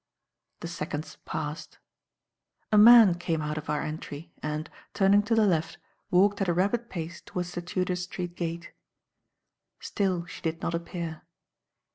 The seconds passed. A man came out of our entry and, turning to the left, walked at a rapid pace towards the Tudor Street gate. Still she did not appear.